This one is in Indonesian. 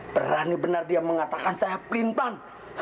berani benar dia mengatakan saya plintan